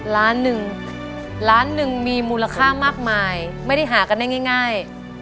ล้านหนึ่งล้านหนึ่งมีมูลค่ามากมายไม่ได้หากันได้ง่าย